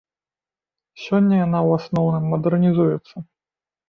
Сёння яна ў асноўным мадэрнізуецца.